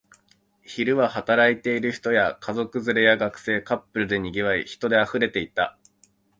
昼は働いている人や、家族連れや学生、カップルで賑わい、人で溢れていた